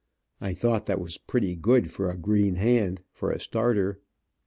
I thought that was pretty good for a green hand, for a starter."